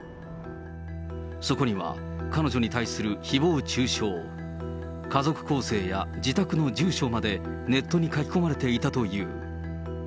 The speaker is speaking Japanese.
そこには彼女に対するひぼう中傷、家族構成や自宅の住所まで、ネットに書き込まれていたという。